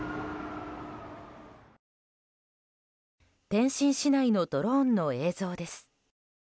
天津市内のドローンの映像です。